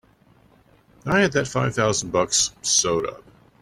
I had that five thousand bucks sewed up!